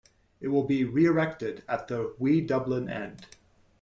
It will be re-erected at the "Wee Dublin end".